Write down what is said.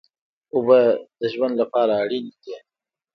اوبه د ژوند لپاره اړینې دي.